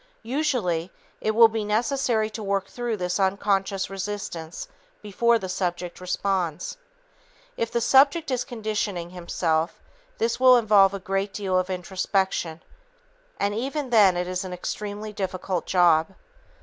Usually, it will be necessary to work through this unconscious resistance before the subject responds. If the subject is conditioning himself, this will involve a great deal of introspection, and even then it is an extremely difficult job.